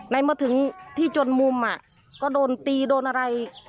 เมื่อถึงที่จนมุมก็โดนตีโดนอะไร